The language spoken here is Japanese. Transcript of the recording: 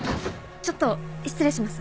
ちょっと失礼します。